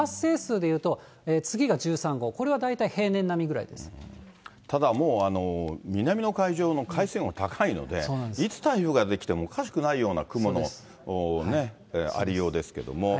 発生数でいうと、次が１３号、これは大体、ただもう、南の海上の海水温が高いので、いつ台風が出来てもおかしくないような雲のね、ありようですけども。